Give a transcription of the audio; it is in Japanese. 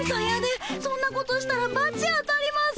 そんなことしたらばち当たります。